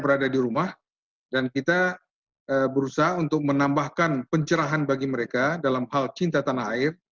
berada di rumah dan kita berusaha untuk menambahkan pencerahan bagi mereka dalam hal cinta tanah air